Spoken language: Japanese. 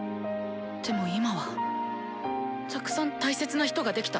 でも今はたくさん大切な人ができた。